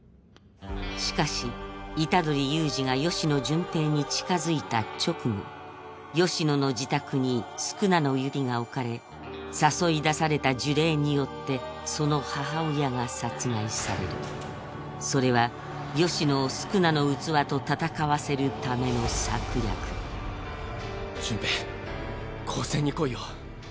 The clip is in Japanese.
しかし虎杖悠仁が吉野順平に近づいた直後吉野の自宅に宿儺の指が置かれ誘い出された呪霊によってその母親が殺害されるそれは吉野を宿儺の器と戦わせるための策略順平高専に来いよ。